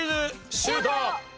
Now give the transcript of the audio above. シュート！